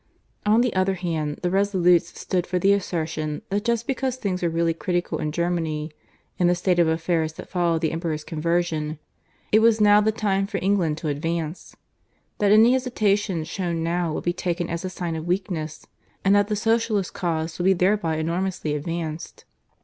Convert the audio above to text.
On the other hand, the resolutes stood for the assertion that just because things were really critical in Germany (in the state of affairs that followed the Emperor's conversion) it was now the time for England to advance; that any hesitation shown now would be taken as a sign of weakness, and that the Socialists' cause would be thereby enormously advanced.